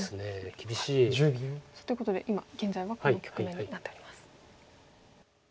厳しい。ということで今現在はこの局面になっております。